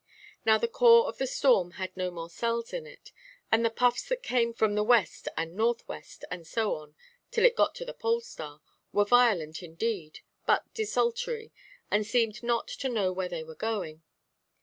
Now the core of the storm had no more cells in it; and the puffs that came from the west and north–west, and so on till it got to the pole–star, were violent indeed, but desultory, and seemed not to know where they were going.